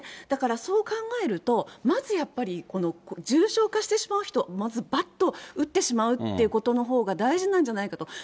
だから、そう考えると、まずやっぱり重症化してしまう人、まずばっと打ってしまうということのほうが大事なんじゃないかと。